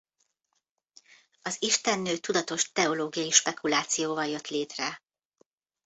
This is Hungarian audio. Az istennő tudatos teológiai spekulációval jött létre.